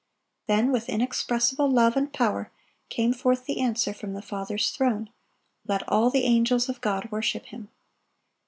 (884) Then with inexpressible love and power came forth the answer from the Father's throne, "Let all the angels of God worship Him."